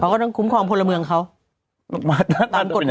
ก็ต้องคุ้มครองพลเมืองเขามาตามกฎหมาย